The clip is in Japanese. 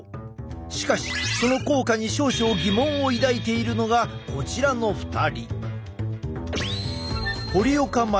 しかしその効果に少々疑問を抱いているのがこちらの２人。